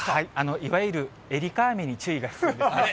いわゆる愛花雨に注意が必要ですね。